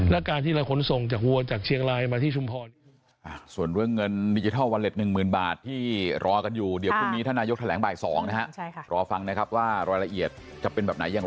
แล้วการที่เราขนส่งจากวัวจากเชียงรายมาที่ชุมพร